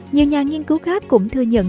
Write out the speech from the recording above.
nhiều nhà nghiên cứu khác cũng thừa nhận